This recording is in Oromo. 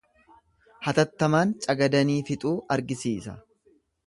Hatattamaan cagadanii fixuu argisiisa.